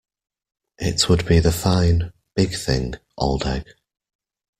It would be the fine, big thing, old egg.